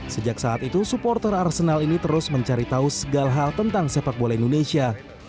sejak saat itu supporter arsenal ini terus mencari tahu segala hal tentang sepak bola indonesia